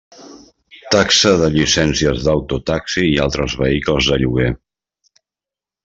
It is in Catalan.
Taxa de llicències d'auto taxi i altres vehicles de lloguer.